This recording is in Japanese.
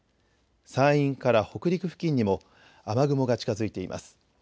山陰から北陸付近にも雨雲が近づいています。